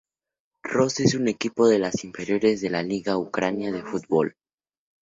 Ros es un equipo de las inferiores de la Liga Ucraniana de Fútbol.